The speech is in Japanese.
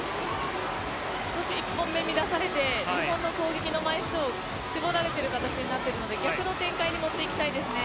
少し１本目乱されて２本目攻撃の枚数を縛られている形になっているので逆の展開に持っていきたいですね。